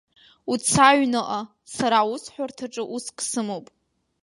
Уца аҩныҟа, сара аусҳәарҭаҿы уск сымоуп.